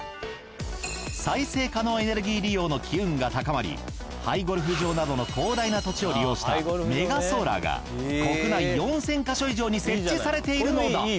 再生可能エネルギー利用の機運が高まり廃ゴルフ場などの広大な土地を利用したメガソーラーが国内４，０００か所以上に設置されているのだ。